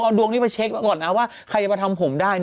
ดีน่ะกินของออร์แกนิคก็สงสารผู้ประกอบการไม่อยากไปซ้ำเติมอะไรแข็งแด๋ว